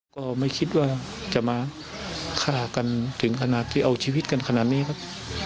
ก็ไม่คิดว่าจะมาฆ่ากันถึงขนาดที่เอาชีวิตกันขนาดนี้ครับ